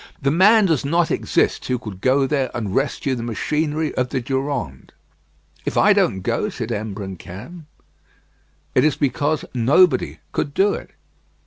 The man does not exist who could go there and rescue the machinery of the Durande." "If I don't go," said Imbrancam, "it is because nobody could do it."